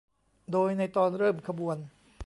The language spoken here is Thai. โดยในตอนเริ่มขบวน